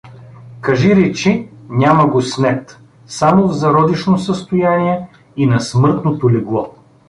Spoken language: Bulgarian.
Кажи-речи, няма го снет само в зародишно състояние и на смъртното легло.